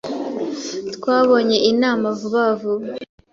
Twabonye inama vuba vuba.